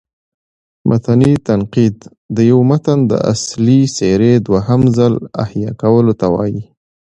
متني تنقید: د یو متن د اصلي څېرې دوهم ځل احیا کولو ته وايي.